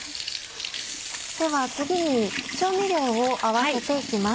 では次に調味料を合わせて行きます。